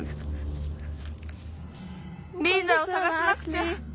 リーザをさがさなくちゃ。